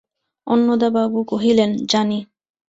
অন্নদাবাবু কহিলেন, জানি।